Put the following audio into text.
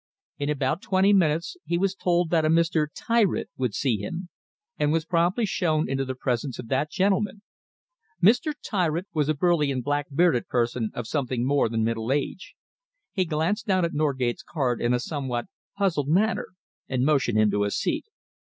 In about twenty minutes he was told that a Mr. Tyritt would see him, and was promptly shown into the presence of that gentleman. Mr. Tyritt was a burly and black bearded person of something more than middle age. He glanced down at Norgate's card in a somewhat puzzled manner and motioned him to a seat.